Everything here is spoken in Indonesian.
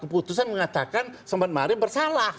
keputusan mengatakan selamat mari bersalah